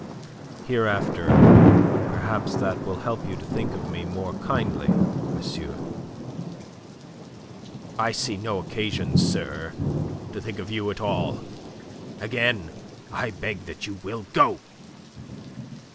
"Hereafter perhaps that will help you to think of me more kindly, monsieur." "I see no occasion, sir, to think of you at all. Again, I beg that you will go."